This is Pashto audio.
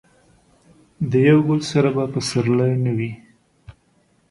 د یو ګل سره به پسرلی نه وي.